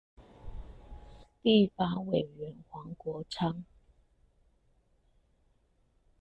立法委員黃國昌